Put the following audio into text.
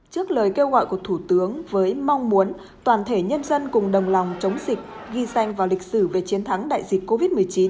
trước lời kêu gọi của thủ tướng với mong muốn toàn thể nhân dân cùng đồng lòng chống dịch ghi danh vào lịch sử về chiến thắng đại dịch covid một mươi chín